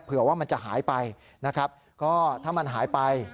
ว่ามันจะหายไปนะครับก็ถ้ามันหายไป